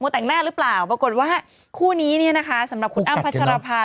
ทั้งหน้าหรือเปล่าปรากฏว่าคู่นี้สำหรับคุณอ้ำพัศนภา